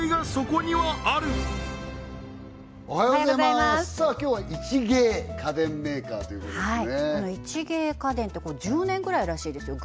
この一芸家電って１０年ぐらいらしいですよ